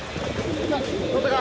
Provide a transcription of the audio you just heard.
獲ったか？